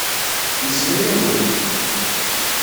Nesla-awent.